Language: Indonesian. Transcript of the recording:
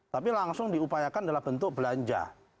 tapi langsung diupayakan dalam bentuk belanja